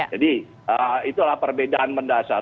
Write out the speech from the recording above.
jadi itulah perbedaan mendasar